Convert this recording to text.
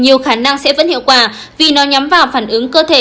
nhiều khả năng sẽ vẫn hiệu quả vì nó nhắm vào phản ứng cơ thể